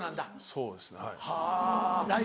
そうですねはい。